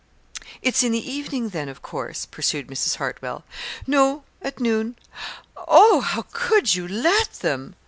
"It's in the evening, then, of course?" pursued Mrs. Hartwell. "No; at noon." "Oh, how could you let them?"